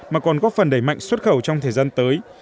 mà còn góp phần đẩy mạnh xuất khẩu trong thời gian tới